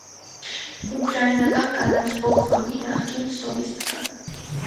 Ուկրաինական կանանց պոպ խմբի նախկին սոլիստկա։